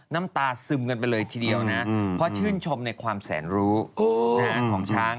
น้ำตาซึมกันไปเลยทีเดียวนะเพราะชื่นชมในความแสนรู้ของช้าง